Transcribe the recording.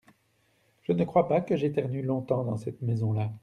Je ne crois pas que j’éternue longtemps dans cette maison-là.